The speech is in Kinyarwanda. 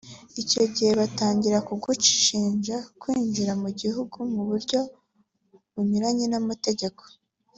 Icyo gihe batangira kugushinja kwinjira mu gihugu mu buryo bunyuranyije n’amategeko